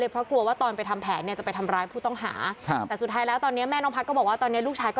พ่อเนี่ยโกรธมาก